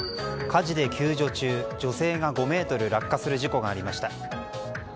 火事で救助中、女性が５ｍ落下する事故がありました。